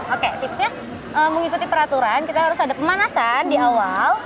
oke tipsnya mengikuti peraturan kita harus ada pemanasan di awal